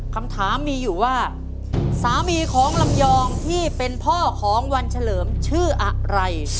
คำถามมีอยู่ว่าสามีของลำยองที่เป็นพ่อของวันเฉลิมชื่ออะไร